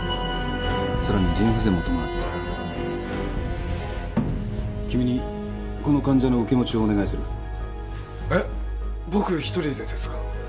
さらに腎不全もともなってる君にこの患者の受け持ちをお願いする僕一人でですか？